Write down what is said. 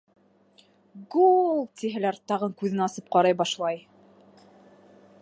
Гоол тиһәләр, тағын күҙен асып ҡарай башлай.